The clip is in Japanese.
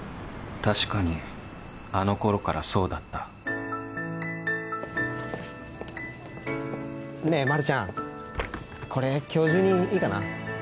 確かにあの頃からそうだったねぇまるちゃんこれ今日中にいいかな？